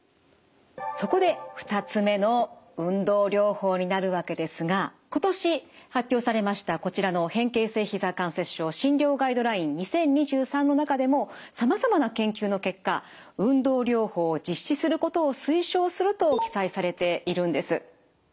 そこで２つ目の運動療法になるわけですが今年発表されましたこちらの「変形性膝関節症診療ガイドライン２０２３」の中でもさまざまな研究の結果運動療法を実施することを推奨すると記載されているんです。